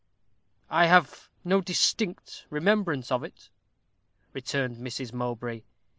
"I have no distinct remembrance of it," returned Mrs. Mowbray.